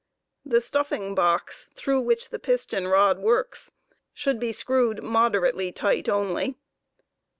8 tufflng box through which the piston rod works should be screwed modt erately tight only.